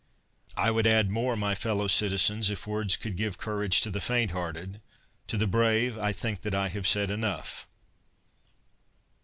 * I would add more, my fellow citizens, if words could give courage to the faint hearted; to the brave I think that I have said enough.